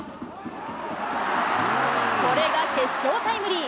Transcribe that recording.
これが決勝タイムリー。